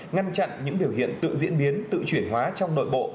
ngăn chặn những biểu hiện tự diễn biến tự chuyển hóa trong nội bộ